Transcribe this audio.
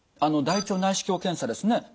大腸内視鏡検査ですね